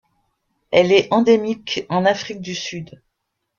Elle est endémique en Afrique du Sud.